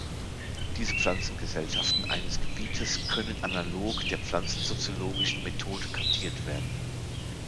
Diese Pflanzengesellschaften eines Gebietes können analog der pflanzensoziologischen Methode kartiert werden.